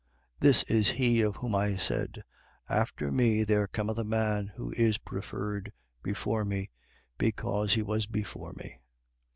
1:30. This is he of whom I said: After me there cometh a man, who is preferred before me: because he was before me.